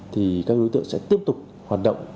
thì các đối tượng sẽ tiếp tục hoạt động